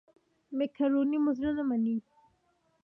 مېکاروني مو زړه نه مني.